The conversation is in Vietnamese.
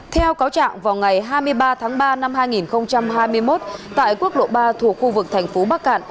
theo cáo trạng vào ngày hai mươi ba tháng ba năm hai nghìn hai mươi một tại quốc lộ ba thuộc khu vực thành phố bắc cạn